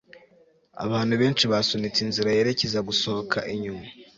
abantu benshi basunitse inzira yerekeza gusohoka inyuma